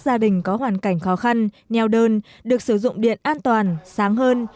gia đình có hoàn cảnh khó khăn nheo đơn được sử dụng điện an toàn sáng hơn